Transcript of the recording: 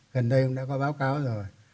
gần đây cũng đã có báo cáo rồi